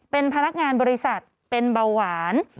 เป็นพนักงานบริษัทเป็นเบาหวาน